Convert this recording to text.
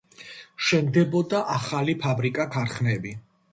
შენდებოდა ახალი ფაბრიკა-ქარხნები.